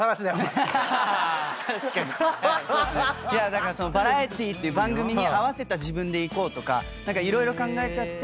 だからバラエティーっていう番組に合わせた自分でいこうとか色々考えちゃって。